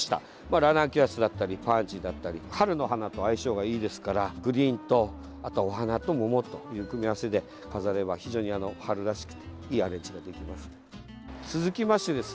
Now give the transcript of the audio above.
ラナンキュラス、パンジー春の花と相性がいいですからグリーンとお花と桃という組み合わせで飾れば非常に春らしくていいアレンジができます。